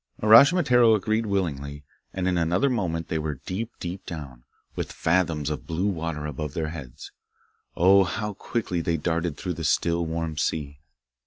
Uraschimataro agreed willingly, and in another moment they were deep, deep down, with fathoms of blue water above their heads. Oh, how quickly they darted through the still, warm sea!